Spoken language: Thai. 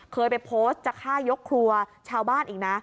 เคยไปโพสต์จะฆ่ายกครัวชาวบ้านอีกนะ